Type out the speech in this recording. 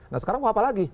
nah sekarang mau apa lagi